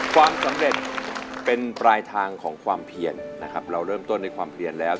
ความสำเร็จเป็นปลายทางของความเพียรนะครับเราเริ่มต้นในความเพียนแล้ว